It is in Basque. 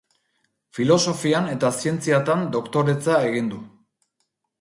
Filosofian eta Zientziatan doktoretza egin du.